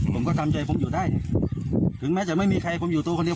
ผมก็ทำใจผมอยู่ได้ถึงแม้จะไม่มีใครผมอยู่ตัวคนเดียว